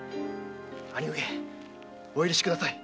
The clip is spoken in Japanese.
兄上お許しください。